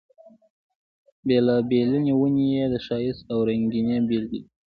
بېلابېلې ونې یې د ښایست او رنګینۍ بېلګې دي.